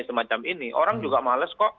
semacam ini orang juga males kok